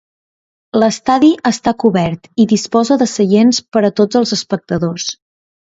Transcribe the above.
L'estadi està cobert i disposa de seients per a tots els espectadors.